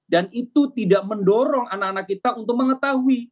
dan itu tidak mendorong anak anak kita untuk mengetahui